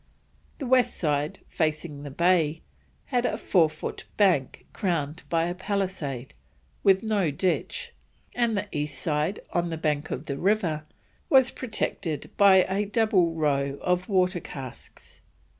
The west side, facing the bay, had a 4 foot bank crowned by a palisade, with no ditch; and the east side, on the bank of the river, was protected by a double row of water casks.